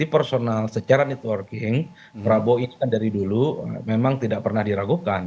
jadi personal secara networking prabowo ini kan dari dulu memang tidak pernah diragukan